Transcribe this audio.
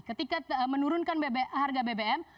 ketika menurunkan harga bbm